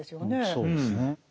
そうですね。